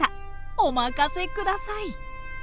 お任せ下さい。